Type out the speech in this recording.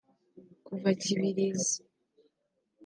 kuva Kibirizi